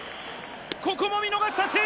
ここも見逃し三振！